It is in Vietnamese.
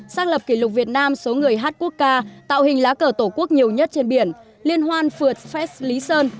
xác lập kỷ lục việt nam số người hát quốc ca tạo hình lá cờ tổ quốc nhiều nhất trên biển liên hoan phượt fest lý sơn